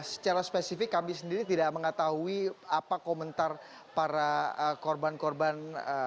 secara spesifik kami sendiri tidak mengetahui apa komentar para korban korban